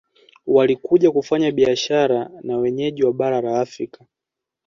Walikuja kufanya biashara na wenyeji wa bara la Afrika